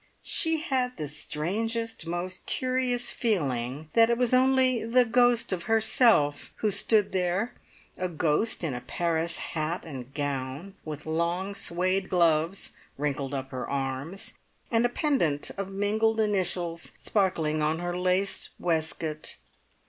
She had the strangest, most curious feeling that it was only the ghost of herself who stood there a ghost in a Paris hat and gown, with long suede gloves wrinkled up her arms, and a pendant of mingled initials sparkling on her lace waistcoat.